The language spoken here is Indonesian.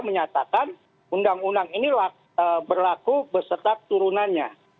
menyatakan undang undang ini berlaku beserta turunannya